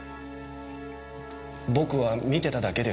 僕は見てただけです。